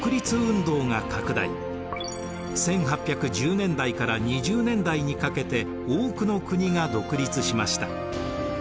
１８１０年代から２０年代にかけて多くの国が独立しました。